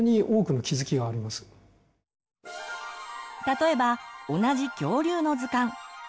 例えば同じ恐竜の図鑑。